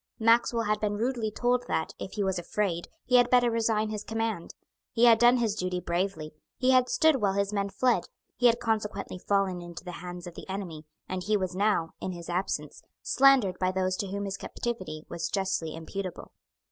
Maxwell had been rudely told that, if he was afraid, he had better resign his command. He had done his duty bravely. He had stood while his men fled. He had consequently fallen into the hands of the enemy; and he was now, in his absence, slandered by those to whom his captivity was justly imputable.